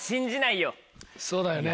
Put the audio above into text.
そうだよね。